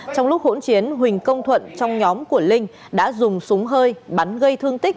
trong lúc hỗn chiến huỳnh công thuận trong nhóm của linh đã dùng súng hơi bắn gây thương tích